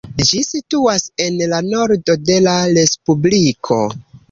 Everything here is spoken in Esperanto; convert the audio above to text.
Ĝi situas en la nordo de la respubliko.